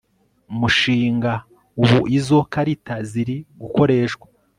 mushinga Ubu izo karita ziri gukoreshwa